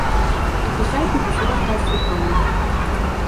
Ik begrijp uw bezorgdheid volkomen.